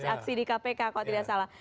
aksi di kpk kalau tidak salah